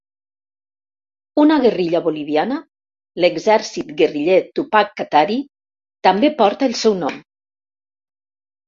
Una guerrilla boliviana, l'exèrcit guerriller Tupac Katari, també porta el seu nom.